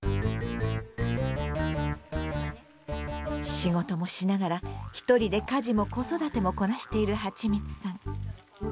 仕事もしながら一人で家事も子育てもこなしているはちみつさん。